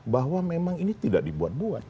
bahwa memang ini tidak dibuat buat